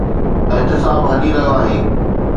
احتساب هلي رهيو آهي.